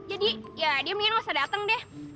jadi ya dia mendingan gak usah dateng deh